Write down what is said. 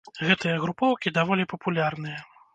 Гэтыя групоўкі даволі папулярныя.